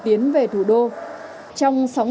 tiến về thủ đô trong sóng